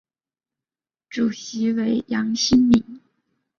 主席为杨新民。